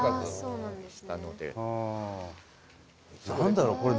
何だろう